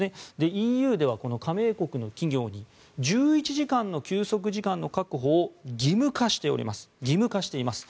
ＥＵでは加盟国の企業に１１時間の休息時間の確保を義務化しております。